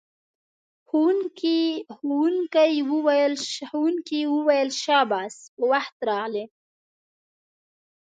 ښوونکی وویل شاباس په وخت راغلئ.